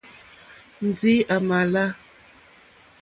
Ndí à mà lá.